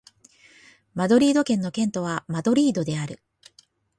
マドリード県の県都はマドリードである